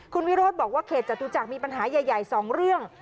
คุณวิโรธบอกว่าเขตจตุจักรมีปัญหาใหญ่๒เรื่อง